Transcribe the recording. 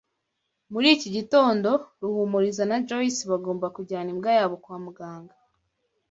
Muri iki gitondo, Ruhumuriza na Joyce bagombaga kujyana imbwa yabo kwa muganga.